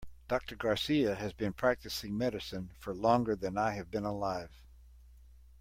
Doctor Garcia has been practicing medicine for longer than I have been alive.